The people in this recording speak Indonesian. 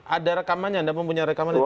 ada rekamannya anda mempunyai rekaman itu